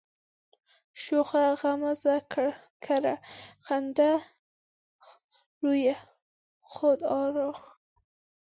شوخه غمزه گره، خنده رویه، خود آرا